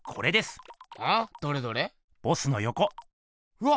うわ！